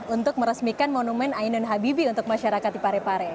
untuk meresmikan monumen ainun habibie untuk masyarakat di parepare